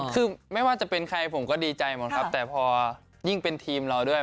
คือไม่ว่าจะเป็นใครผมก็ดีใจหมดครับแต่พอยิ่งเป็นทีมเราด้วย